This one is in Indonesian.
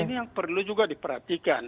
ini yang perlu juga diperhatikan